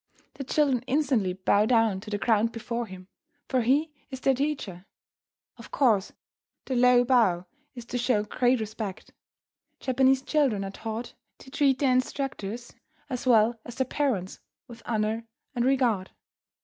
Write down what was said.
The children instantly bow down to the ground before him, for he is their teacher. Of course the low bow is to show great respect. Japanese children are taught to treat their instructors, as well as their parents, with honour and regard.